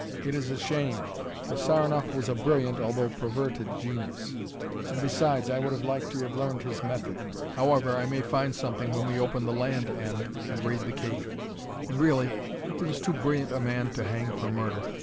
It is a shame, for Saranoff was a brilliant although perverted genius, and besides, I would have liked to have learned his method. However, I may find something when we open the land end and raid the cave; and really, he was too brilliant a man to hang for murder.